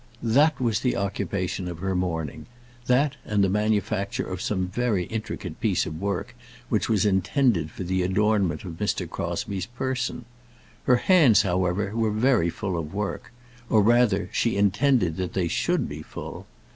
That was the occupation of her morning; that, and the manufacture of some very intricate piece of work which was intended for the adornment of Mr. Crosbie's person. Her hands, however, were very full of work; or, rather, she intended that they should be full.